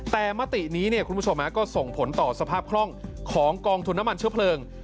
แต่มตินี้คุณผู้ชมก็ส่งผลต่อสภาพคล่องของกองทุนน้ำมันเชื้อเพลิง